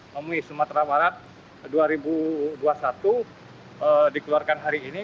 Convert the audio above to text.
memenuhi sumatera barat dua ribu dua puluh satu dikeluarkan hari ini